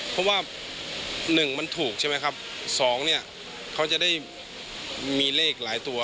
เพราะว่า๑มันถูกใช่ไหมครับ๒เขาจะได้มีเลขหลายตัว